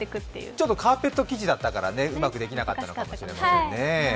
ちょっとカーペット生地だったら、うまくできなかったかもしれないですね。